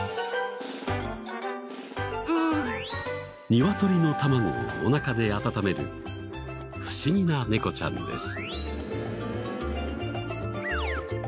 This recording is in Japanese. ニワトリの卵をおなかで温める不思議な猫ちゃんです。